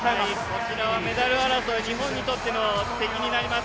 こちらはメダル争い、日本にとっての敵になります。